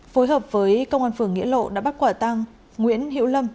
phối hợp với công an phường nghĩa lộ đã bắt quả tăng nguyễn hiệu lâm